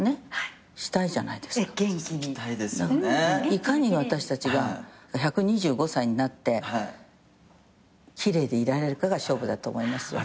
いかに私たちが１２５歳になって奇麗でいられるかが勝負だと思いますよ。